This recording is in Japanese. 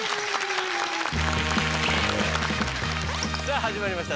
さあ始まりました